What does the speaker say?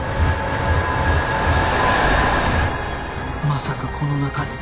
まさかこの中に